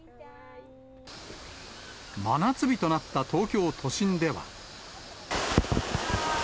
真夏日となった東京都心では。